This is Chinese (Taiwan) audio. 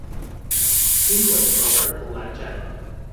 輕軌駁二蓬萊站